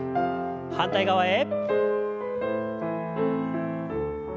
反対側へ。